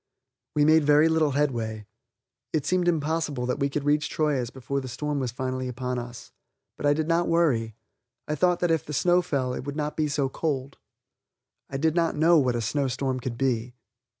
We made little headway. It seemed impossible that we could reach Troyes before the storm was fully upon us. But I did not worry; I thought that if the snow fell it would not be so cold. I did not know what a snow storm could be.